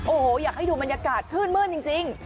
โอ้โหอยากให้ดูบรรยากาศชื่นมื้นจริง